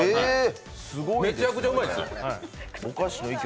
めちゃくちゃうまいです。